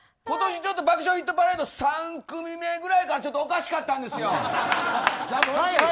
今年ちょっと「爆笑ヒットパレード」３組目ぐらいからちょっとおかしかったんですよ。